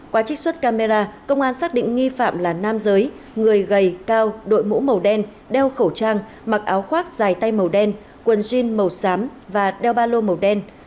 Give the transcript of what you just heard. qua trích xuất camera công an xác định nghi phạm là nam giới người gầy cao đội mũ màu đen đeo khẩu trang mặc áo khoác dài tay màu đen quần jean màu xám và đeo ba lô màu đen